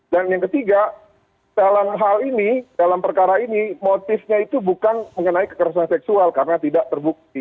dan yang ketiga dalam hal ini dalam perkara ini motifnya itu bukan mengenai kekerasan seksual karena tidak terbukti